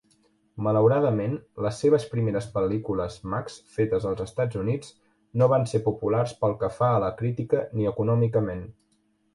Malauradament, les seves primeres pel·lícules "Max" fetes als Estats Units no van ser populars pel que fa a la crítica ni econòmicament.